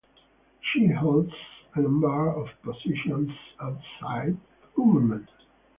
She holds a number of positions outside government.